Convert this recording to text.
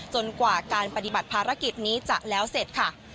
กว่าการปฏิบัติภารกิจนี้จะแล้วเสร็จค่ะ